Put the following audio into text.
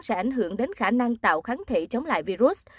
sẽ ảnh hưởng đến khả năng tạo kháng thể chống lại virus